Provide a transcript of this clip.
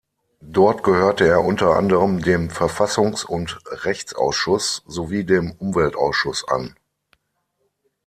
Dort gehörte er unter anderem dem Verfassungs- und Rechtsausschuss sowie dem Umweltausschuss an.